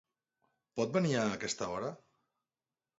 Pot venir a aquesta hora?